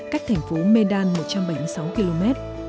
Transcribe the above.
cách thành phố medan một trăm bảy mươi sáu km